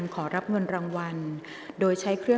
กรรมการท่านที่ห้าได้แก่กรรมการใหม่เลขเก้า